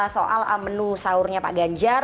soal menu sahurnya pak ganjar